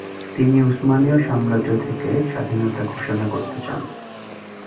তিনি উসমানীয় সাম্রাজ্য থেকে স্বাধীনতা ঘোষণা করতে চান।